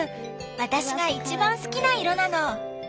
私が一番好きな色なの。